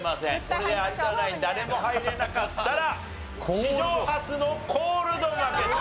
これで有田ナイン誰も入れなかったら史上初のコールド負けと。